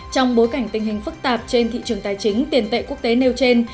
trong bối cảnh tình hình phức tạp trên thị trường tài chính tiền tệ quốc tế nêu trên